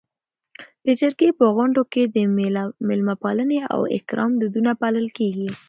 د جرګې په غونډو کي د میلمه پالنې او اکرام دودونه پالل کيږي.